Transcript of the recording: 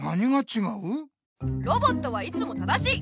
ロボットはいつも正しい！